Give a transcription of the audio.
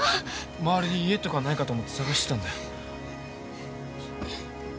周りに家とかないかと思って探してたんだよ。